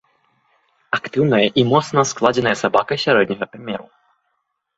Актыўная і моцна складзеная сабака сярэдняга памеру.